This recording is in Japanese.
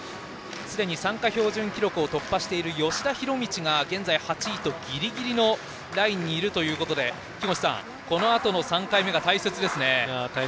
すでに参加標準記録を突破してる吉田弘道が現在８位とギリギリのラインにいるということで木越さん、このあとの３回目が大切ですね。